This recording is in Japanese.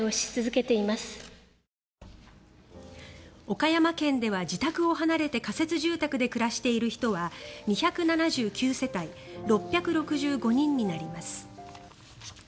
岡山県では自宅を離れて仮設住宅で暮らしている人は２７９世帯６６５人になります。